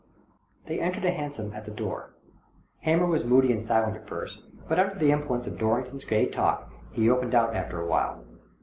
They entered a hansom at the door. Hamer was moody and silent at first, but under the influence of Dorrington' s gay talk he opened out after a while.